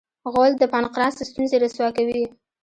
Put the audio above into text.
غول د پانقراس ستونزې رسوا کوي.